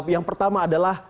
yang pertama adalah